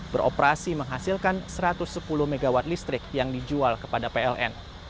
beroperasi menghasilkan satu ratus sepuluh mw listrik yang dijual kepada pln